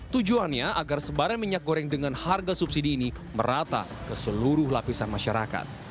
tujuannya agar sebaran minyak goreng dengan harga subsidi ini merata ke seluruh lapisan masyarakat